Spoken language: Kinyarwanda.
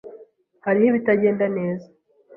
Hariho ibitagenda neza.